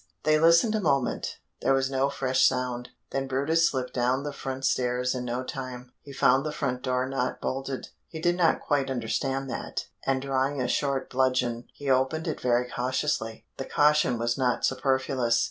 They listened a moment, there was no fresh sound. Then brutus slipped down the front stairs in no time; he found the front door not bolted; he did not quite understand that, and drawing a short bludgeon, he opened it very cautiously; the caution was not superfluous.